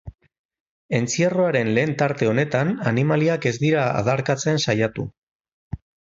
Entzierroaren lehen tarte honetan animaliak ez dira adarkatzen saiatu.